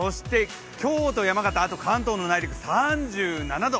京都、山形、関東の内陸３７度。